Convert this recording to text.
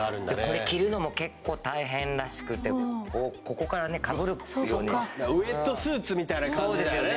これ着るのも結構大変らしくてここからかぶるっていうウエットスーツみたいな感じだよね